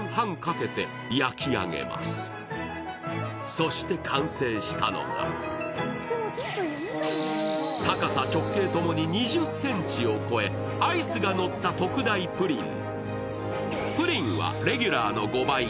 そして完成したのが高さ直径ともに２０ｃｍを超え、アイスがのった特大プリン。